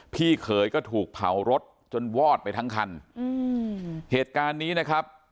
พี่เขยก็ถูกเผารถจนวอดไปทั้งคันอืมเหตุการณ์นี้นะครับ